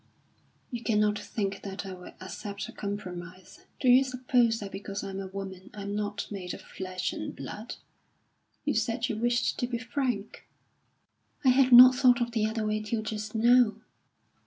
"You cannot think that I will accept a compromise. Do you suppose that because I am a woman I am not made of flesh and blood? You said you wished to be frank." "I had not thought of the other way till just now."